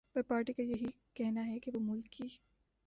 ہر party کایہی کہنا ہے کہ وہ ملک کی